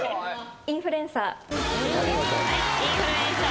『インフルエンサー』お見事。